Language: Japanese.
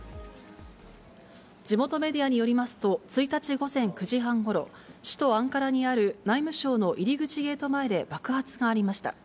地元メディアによりますと、１日午前９時半ごろ、首都アンカラにある内務省の入り口ゲート前で爆発がありました。